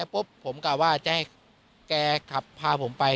ปุ๊บผมกลับว่าจะให้แกขับพาผมไป